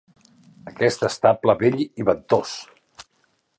Aquest estable vell i ventós!